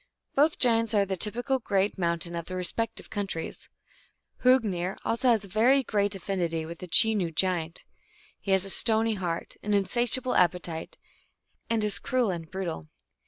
* Both giants are the typical great mountain of their respective countries. Hrungnir has also very great affinity with the Chenoo giant. He has a stony heart, an insatiable appetite, and is cruel and brutal.